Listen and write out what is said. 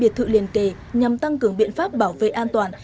biệt thự liền kề nhằm tăng cường biện pháp bảo vệ an toàn